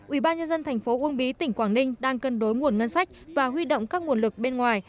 ubnd tp uông bí tỉnh quảng ninh đang cân đối nguồn ngân sách và huy động các nguồn lực bên ngoài